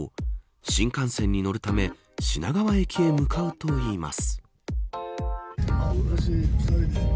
新幹線に乗るため品川駅へ向かうといいます。